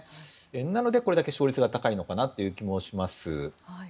なので、これだけ勝率が高いのかなという気もします。